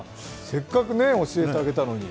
せっかく教えてあげたのに。